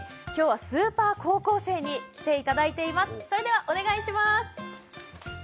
今日はスーパー高校生に来ていただいています。